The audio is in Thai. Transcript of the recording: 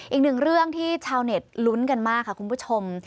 อีกหนึ่งเรื่องที่ชาวเน็ตลุ้นกันมากค่ะคุณผู้ชม